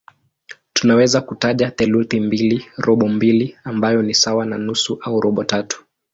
Tunaweza kutaja theluthi mbili, robo mbili ambayo ni sawa na nusu au robo tatu.